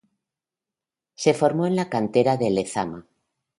Se formó en la cantera de Lezama.